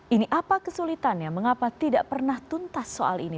ini apa kesulitannya mengapa tidak pernah tuntas soal ini